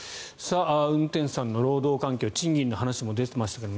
運転手さんの労働環境賃金の話も出てましたけど